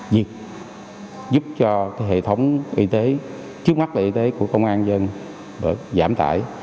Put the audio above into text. giúp cho hệ thống y tế trước mắt là y tế của công an dân giảm tải